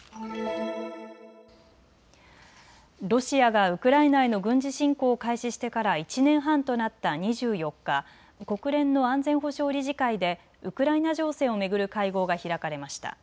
ロシアがウクライナへの軍事侵攻を開始してから１年半となった２４日、国連の安全保障理事会でウクライナ情勢を巡る会合が開かれました。